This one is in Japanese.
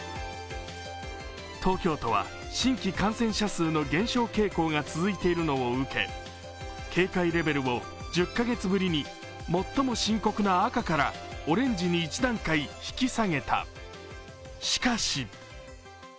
東京都は新規感染者数の減少傾向が続いているのを受け警戒レベルを１０カ月ぶりに最も深刻な赤からオレンジに一段階引き下げた。